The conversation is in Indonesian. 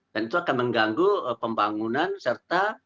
dan itu akan mengganggu pembangunan serta